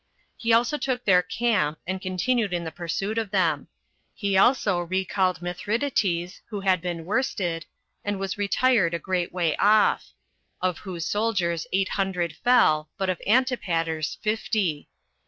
He also took their camp, and continued in the pursuit of them. He also recalled Mithridates, who had been worsted, and was retired a great way off; of whose soldiers eight hundred fell, but of Antipater's fifty.